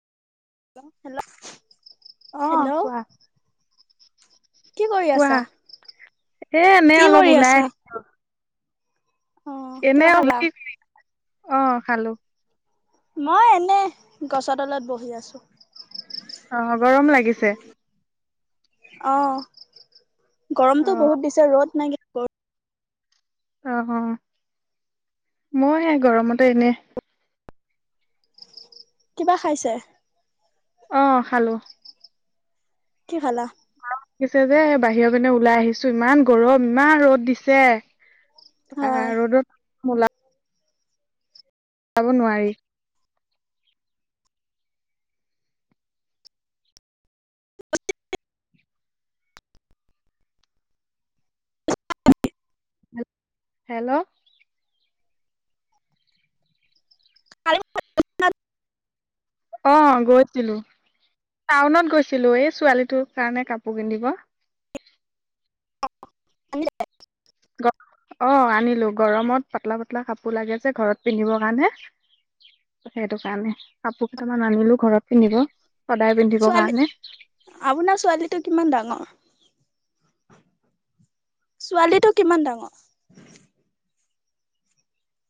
Hello অ', কোৱা। কি কৰি আছা? কোৱা, এ, এনেই কি কৰি অলপ ওলাই আছা? অ' এনে, কিবা খালা? [unintelligible] অ', খালো। মই এনে, গছৰ তলত বহি আছো। অ', গৰম লাগিছে? অ', অ গৰমতটো বহুত দিছে ৰ'দ নাইক অ', অ', মইও সেই গৰমতে এনে কিবা খাইছে? অ', খালো। কি খালা? [unintelligible] লাগিছে যে বাহিৰৰ মনে ওলাই আহিছো ইমান গৰম ইমান ৰ'দ দিছে। বা হয়। ৰ'দত ওলাব নোৱাৰি। হেল্ল'? [unintelligible] অ', গৈছিলো টাউনত গৈছিলো এই ছোৱালীটোৰ কাৰণে কাপোৰ কিনিব। [unintelligible] অ', আনিলো গৰমত পাতলা পাতলা কাপোৰ লাগিছে ঘৰত পিন্ধিবৰ কাৰণে। সেইটো কাৰণে, কাপোৰ ঘৰত পিন্ধিব সদায় পিন্ধিব ছোৱালী কাৰণে। আপোনাৰ ছোৱালীটো কিমান ডাঙৰ? ছোৱালী টো কিমান ডাঙৰ?